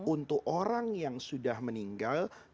untuk orang yang sudah meninggal